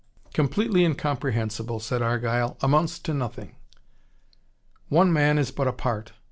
"Completely incomprehensible," said Argyle. "Amounts to nothing." "One man is but a part.